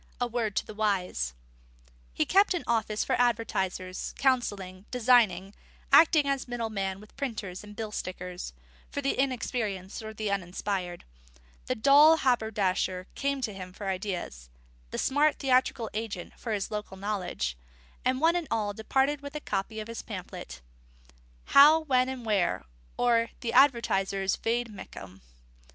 A Word to the Wise._ He kept an office for advertisers, counselling, designing, acting as middleman with printers and bill stickers, for the inexperienced or the uninspired: the dull haberdasher came to him for ideas, the smart theatrical agent for his local knowledge; and one and all departed with a copy of his pamphlet: _How, When, and Where; or, the Advertiser's Vade Mecum.